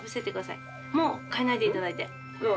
もう変えないでいただいて。